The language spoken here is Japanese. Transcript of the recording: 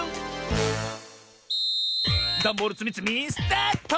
ダンボールつみつみスタート！